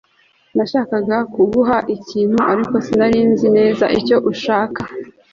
Nashakaga kuguha ikintu ariko sinari nzi neza icyo ushaka